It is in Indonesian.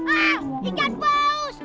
ah ikan paus